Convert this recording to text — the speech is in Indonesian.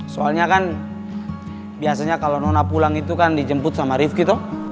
soalnya kan biasanya kalau nona pulang itu kan dijemput sama rifki tuh